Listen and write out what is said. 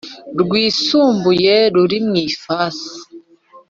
rwisumbuye ruri mu ifasi